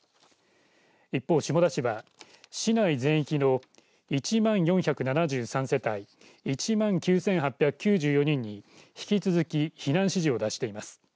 一方、下田市は市内全域の１万４７３世帯１万９８９４人に、引き続き避難指示を出しています。